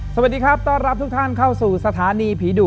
สวัสดีครับต้อนรับทุกท่านเข้าสู่สถานีผีดุ